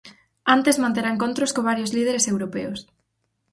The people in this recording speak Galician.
Antes manterá encontros con varios líderes europeos.